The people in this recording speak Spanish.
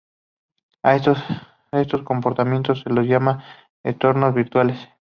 A estos compartimentos se los llama "entornos virtuales".